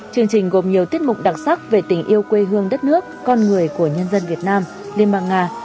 chương trình gồm nhiều tiết mục đặc sắc về tình yêu quê hương đất nước con người của nhân dân việt nam liên bang nga